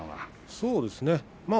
そうですね